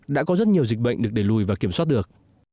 đã có rất nhiều dịch bệnh được để lùi và kiểm soát được